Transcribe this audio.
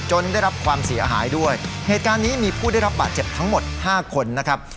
ได้รับความเสียหายด้วยเหตุการณ์นี้มีผู้ได้รับบาดเจ็บทั้งหมดห้าคนนะครับ